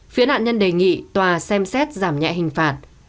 phía nạn nhân đề nghị tòa xem xét giảm nhẹ hình phạt